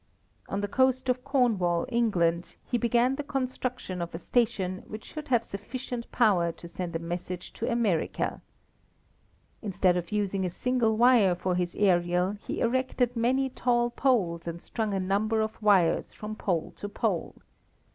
On the coast of Cornwall, England, he began the construction of a station which should have sufficient power to send a message to America. Instead of using a single wire for his aerial, he erected many tall poles and strung a number of wires from pole to pole.